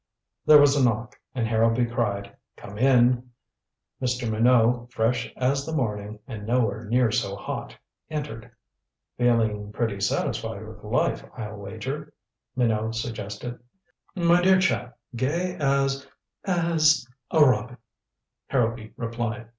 There was a knock, and Harrowby cried: "Come in." Mr. Minot, fresh as the morning and nowhere near so hot, entered. "Feeling pretty satisfied with life, I'll wager," Minot suggested. "My dear chap, gay as as a robin," Harrowby replied.